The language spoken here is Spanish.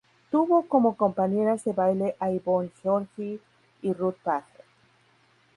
Tuvo como compañeras de baile a Yvonne Georgi y Ruth Page.